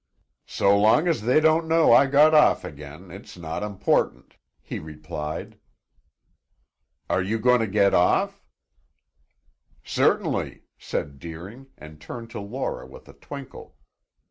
"So long as they don't know I got off again, it's not important," he replied. "Are you going to get off?" "Certainly," said Deering and turned to Laura with a twinkle.